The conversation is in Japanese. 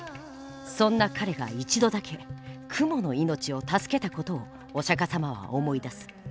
そんな彼が一度だけ蜘蛛の命を助けたことをお釈迦様は思い出す。